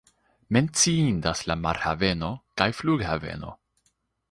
Menciindas la marhaveno kaj flughaveno.